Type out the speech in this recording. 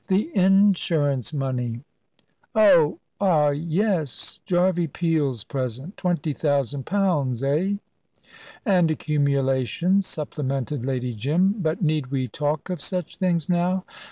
"The insurance money." "Oh ah yes. Jarvey Peel's present. Twenty thousand pounds eh?" "And accumulations," supplemented Lady Jim; "but need we talk of such things, now?"